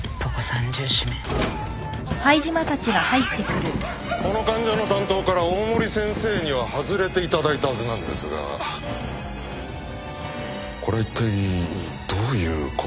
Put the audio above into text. この患者の担当から大森先生には外れていただいたはずなんですがこれはいったいどういうことでしょうか？